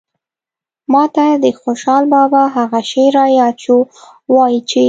ماته د خوشال بابا هغه شعر راياد شو وايي چې